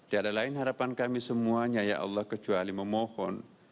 tiada lain harapan kami semuanya ya allah kecuali memohon